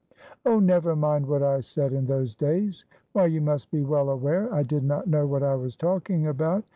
"Oh, never mind what I said in those days; why, you must be well aware I did not know what I was talking about.